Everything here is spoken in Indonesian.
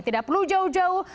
tidak perlu jauh jauh